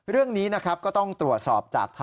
เรื่องนี้นะครับก็ต้องตรวจสอบจาก